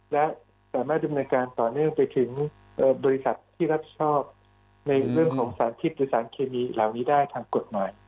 และสามารถดำเนินการต่อเนื่องไปถึงบริษัทที่รับชอบในเรื่องของสารพิษหรือสารเคมีเหล่านี้ได้ทางกฎหมาย